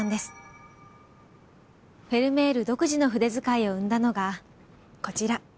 フェルメール独自の筆遣いを生んだのがこちら。